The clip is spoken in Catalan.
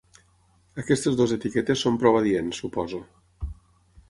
Aquestes dues etiquetes són prou adients, suposo.